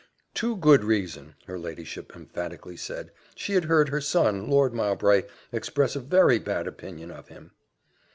Too good reason, her ladyship emphatically said: she had heard her son, Lord Mowbray, express a very bad opinion of him.